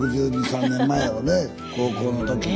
６２６３年前やろね高校の時。